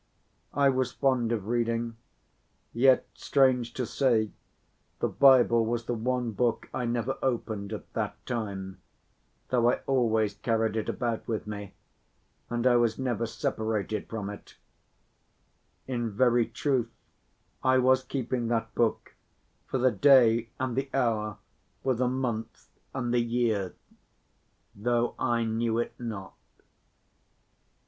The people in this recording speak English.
I was fond of reading, yet strange to say, the Bible was the one book I never opened at that time, though I always carried it about with me, and I was never separated from it; in very truth I was keeping that book "for the day and the hour, for the month and the year," though I knew it not.